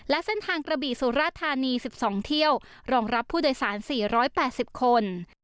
และเส้นทางกระบิสุรทานีสิบสองเที่ยวรองรับผู้โดยสารสี่ร้อยแปดสิบคน